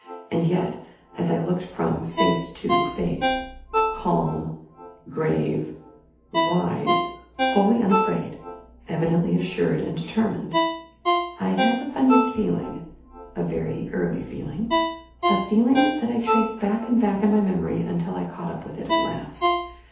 And yet, as I looked from face to face, calm, grave, wise, wholly unafraid, evidently assured and determined, I had the funniest feeling a very early feeling a feeling that I traced back and back in memory until I caught up with it at last.